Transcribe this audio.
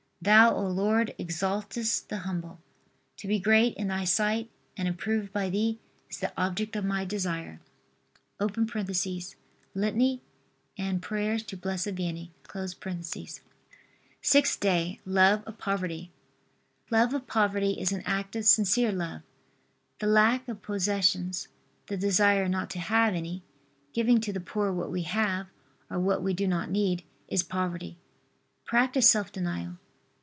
Thou, O Lord, exaltest the humble. To be great in Thy sight and approved by Thee is the object of my desire. [Litany and prayers to Blessed Vianney.] SIXTH DAY. LOVE OF POVERTY. Love of poverty is an active sincere love. The lack of possessions, the desire not to have any, giving to the poor what we have, or what we do not need, is poverty. Practice self denial.